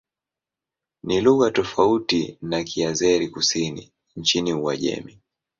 Ni lugha tofauti na Kiazeri-Kusini nchini Uajemi.